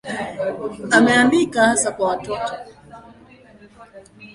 Ameandika hasa kwa watoto.